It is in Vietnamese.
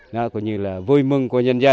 nó cũng như là vui mừng của nhân dân